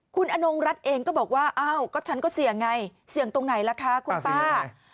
คุณอนงรัฐเองก็บอกว่าอ้าวก็ฉันก็เสี่ยงไงเสี่ยงตรงไหนล่ะคะคุณป้า